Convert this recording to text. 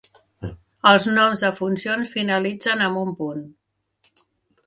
Els noms de funcions finalitzen amb un punt.